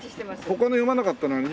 他の読まなかったのはね